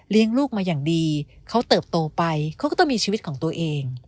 ลูกมาอย่างดีเขาเติบโตไปเขาก็ต้องมีชีวิตของตัวเอง